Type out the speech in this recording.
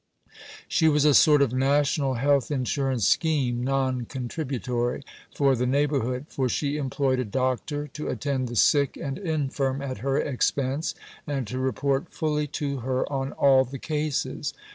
She was a sort of National Health Insurance scheme (non contributory) for the neighbourhood; for she employed a doctor to attend the sick and infirm at her expense, and to report fully to her on all the cases.